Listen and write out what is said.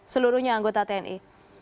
seluruhnya anggota tni